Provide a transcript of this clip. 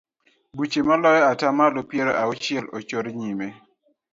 Buche maloyo ata malo piero auchiel ochor nyime.